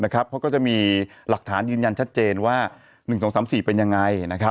เขาก็จะมีหลักฐานยืนยันชัดเจนว่า๑๒๓๔เป็นยังไง